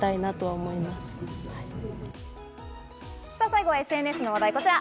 最後はＳＮＳの話題、こちら。